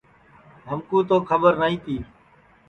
ہمکُو تو کھٻر نائی تی